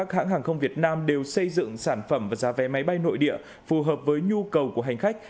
các hãng hàng không việt nam đều xây dựng sản phẩm và giá vé máy bay nội địa phù hợp với nhu cầu của hành khách